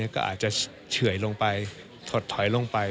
ก็อาจจะเฉื่อยลงไปถดถอยลงไป